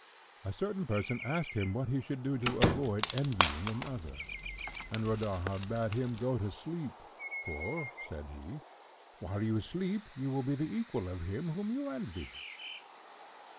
A certain person asked him what he should do to avoid envying another, and Rodaja bade him go to sleep, for, said he, "While you sleep you will be the equal of him whom you envy."